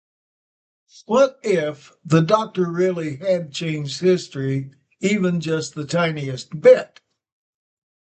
What if... the Doctor really had changed history, even just the tiniest bit?